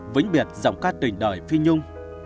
vích biệt dòng các tình đời pi nhung